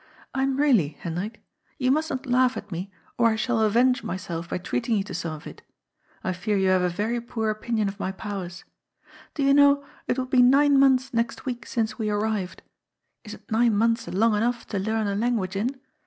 ^' I am really, Hen drik. You mustn't laugh at me, or I shall avenge myself by treating you to some of it. I fear you have a very poor opinion of my powers. Do you know, it will be nine months next week since we arrived. Isn't nine months long enough to learn a language in